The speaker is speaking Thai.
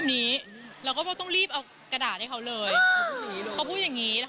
เขียนดังนี้พูดกันอย่างนี้